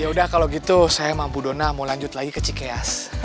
ya udah kalau gitu saya mampu dona mau lanjut lagi ke cikeas